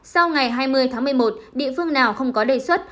sau ngày hai mươi tháng một mươi một địa phương nào không có đề xuất